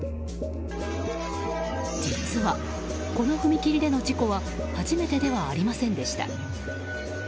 実は、この踏切での事故は初めてではありませんでした。